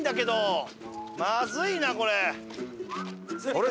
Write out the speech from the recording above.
あれ？